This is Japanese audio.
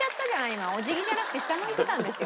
今お辞儀じゃなくて下向いてたんですよ